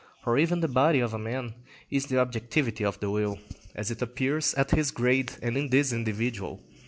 For even the body of a man is the objectivity of the will, as it appears at this grade and in this individual.